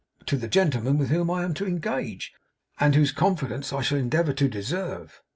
'To the gentleman with whom I am to engage, and whose confidence I shall endeavour to deserve.